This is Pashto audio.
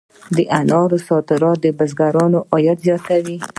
د انارو صادرات د بزګرانو عاید زیاتوي.